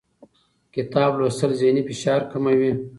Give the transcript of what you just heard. کتاب لوستل ذهني فشار کموي